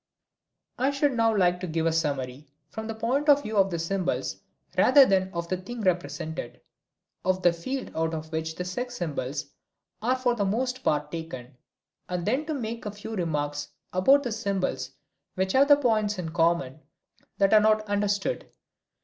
I should now like to give a summary, from the point of view of the symbols rather than of the thing represented, of the field out of which the sex symbols are for the most part taken, and then to make a few remarks about the symbols which have points in common that are not understood.